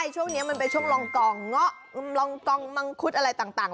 ช่วงนี้มันเป็นช่วงลองกองเงาะลองกองมังคุดอะไรต่าง